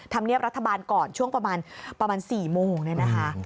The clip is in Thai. ทำเนียบรัฐบาลก่อนช่วงประมาณ๔โมง